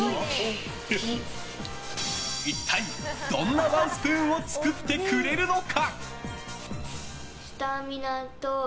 一体、どんなワンスプーンを作ってくれるのか？